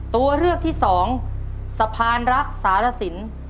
ตัวเลือกที่สองสะพานรักสารสิน